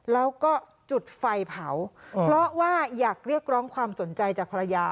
แล้วก็จุดไฟเผาเพราะว่าอยากเรียกร้องความสนใจจากภรรยา